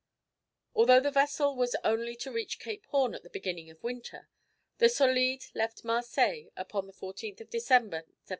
Although the vessel was only to reach Cape Horn at the beginning of winter, the Solide left Marseilles upon the 14th of December, 1790.